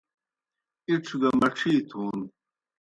اِڇھ گہ مڇھی تھون